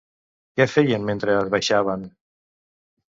Què feien mentre baixaven?